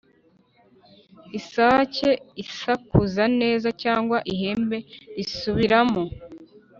isake isakuza neza, cyangwa ihembe risubiramo,